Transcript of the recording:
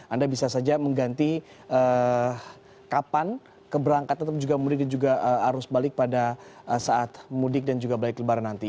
anda bisa saja mengganti kapan keberangkatan atau juga mudik dan juga arus balik pada saat mudik dan juga balik lebaran nanti